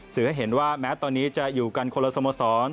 ให้เห็นว่าแม้ตอนนี้จะอยู่กันคนละสโมสร